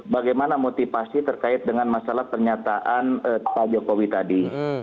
bagaimana motivasi terkait dengan masalah pernyataan pak jokowi tadi